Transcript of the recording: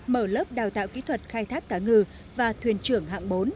mở lớp đào tạo kỹ thuật khai thác cá ngừ và thuyền trưởng hạng bốn